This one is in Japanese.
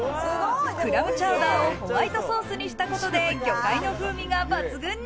クラムチャウダーをホワイトソースにしたことで、うまい！